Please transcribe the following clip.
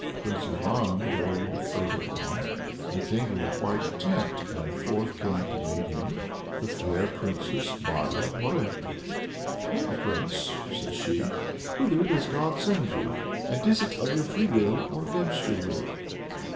Prince Ivan rode further on, and came to a white tent, and forth came to meet him the fair Princess Marya Morevna. "Hail Prince!" says she, "whither does God send you? and is it of your free will or against your will?"